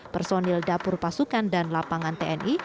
personil dapur pasukan dan lapangan tni